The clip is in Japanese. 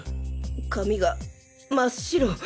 髪が真っ白。